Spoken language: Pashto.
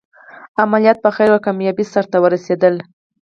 عملیات په خیر او کامیابۍ سرته ورسېدل.